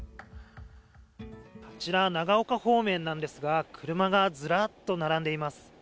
あちら長岡方面なんですが、車がずらっと並んでいます。